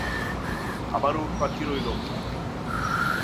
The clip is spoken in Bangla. আবারও উটপাখির ঐ লোকটা।